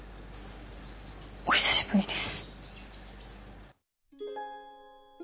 お久しぶりです。